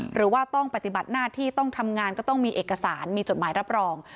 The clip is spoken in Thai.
หรือว่าต้องปฏิบัติหน้าที่ต้องทำงานก็ต้องมีเอกสารมีจดหมายรับรอง